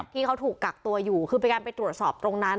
ที่เขาถูกกักตัวอยู่คือเป็นการไปตรวจสอบตรงนั้น